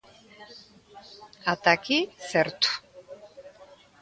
Ata aquí, certo.